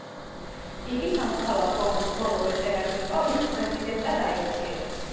იგი სამოქალაქო ომის ბოლო ვეტერანი იყო, ვინც პრეზიდენტად აირჩიეს.